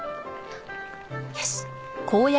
よし。